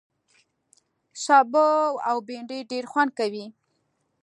سابه او بېنډۍ ډېر خوند کوي